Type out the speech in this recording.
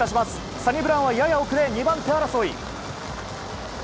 サニブラウンはやや遅れ２番手争い。